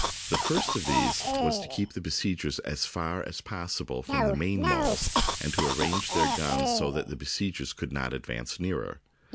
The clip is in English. The first of these was to keep the besiegers as far as possible from the main walls and to ar range their own guns so that the besiegers could not advance nearer.